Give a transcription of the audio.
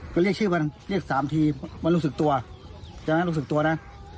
ก็เรียกชื่อมันเรียกสามทีมารู้สึกตัวตอนนั้นรู้สึกตัวนะ